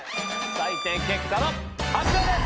採点結果の発表です！